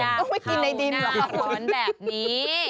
อยากเข้าหน้าร้อนแบบนี้